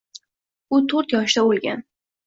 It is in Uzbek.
U to’rt yoshida o’lgan.